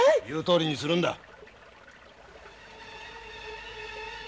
言うとおりにするんだ！